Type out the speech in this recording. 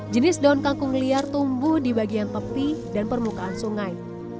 jenis daun kangkung liar tumbuh di bagian tepi dan permukaan sungai